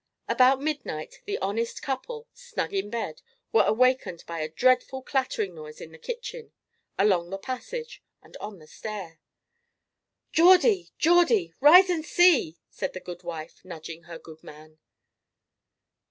About midnight the honest couple snug in bed were awakened by a dreadful clattering noise in the kitchen, along the passage, and on the stair. "Geordie, Geordie! rise and see," said the good wife, nudging her goodman.